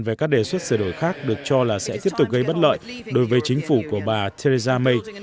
về các đề xuất sửa đổi khác được cho là sẽ tiếp tục gây bất lợi đối với chính phủ của bà theresa may